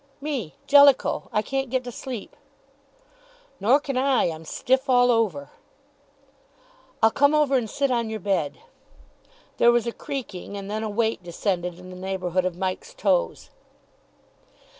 "Me Jellicoe. I can't get to sleep." "Nor can I. I'm stiff all over." "I'll come over and sit on your bed." There was a creaking, and then a weight descended in the neighbourhood of Mike's toes.